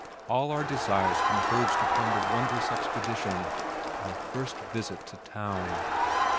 All our desires converged upon the wondrous expedition our first visit to town.